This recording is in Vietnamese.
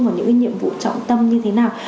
vào những nhiệm vụ trọng tâm như thế nào